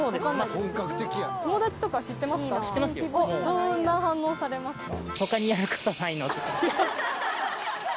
どんな反応をされますか？